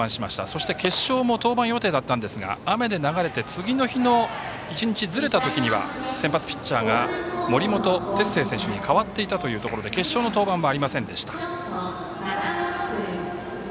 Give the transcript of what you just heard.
そして決勝も登板予定でしたが雨で流れて次の日の１日ずれた時には先発ピッチャーが森本哲星選手に変わっていたということで決勝の登板はありませんでした。